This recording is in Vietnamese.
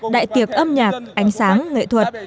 đại tiệc âm nhạc ánh sáng nghệ thuật